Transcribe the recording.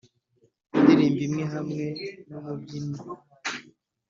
indirimbo imwe hamwe numubyinnyi